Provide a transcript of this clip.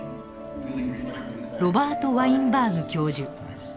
ロバート・ワインバーグ教授。